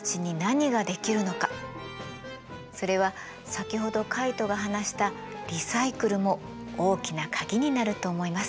それは先ほどカイトが話したリサイクルも大きな鍵になると思います。